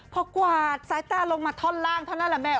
พอกวาดสายตาลงมาท่อนล่างเท่านั้นแหละแม่